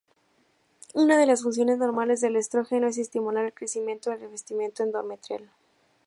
Una de las funciones normales del estrógeno es estimular el crecimiento del revestimiento endometrial.